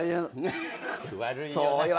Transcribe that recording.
悪いよな。